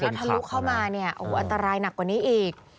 ถ้ามันแตกแล้วทะลุเข้ามาเนี่ยอัตรายหนักกว่านี้อีก